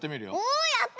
おおやった！